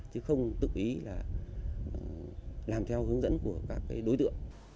chứ không tự ý là làm theo hướng dẫn của các đối tượng